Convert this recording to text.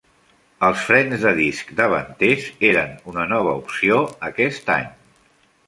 Els frens de disc davanters eren una nova opció aquest any.